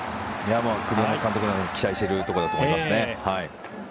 栗山監督が期待しているところだと思いますね。